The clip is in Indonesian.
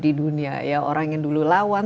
di dunia ya orang yang dulu lawan